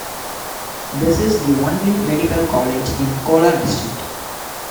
This is the only medical college in Kolar district.